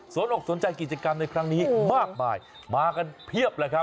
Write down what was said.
นอกสนใจกิจกรรมในครั้งนี้มากมายมากันเพียบเลยครับ